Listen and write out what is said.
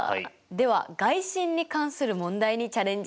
では外心に関する問題にチャレンジしていきましょう！